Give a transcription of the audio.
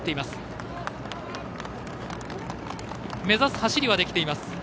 目指す走りはできています。